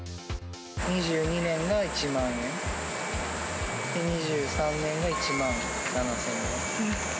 ２２年が１万円、２３年が１万７０００円。